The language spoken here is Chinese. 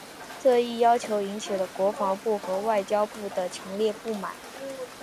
这一要求引起了国防部和外交部的强烈不满。